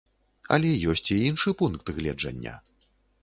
Але ёсць і іншы пункт гледжання.